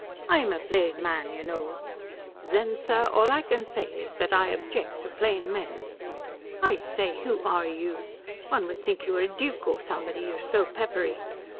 "I'm a plain man, you know " "Then, sir, all I can say is that I object to plain men." "I say, who are you? One would think you were a duke or somebody, you're so peppery.